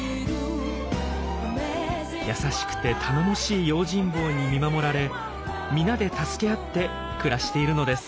優しくて頼もしい用心棒に見守られ皆で助け合って暮らしているのです。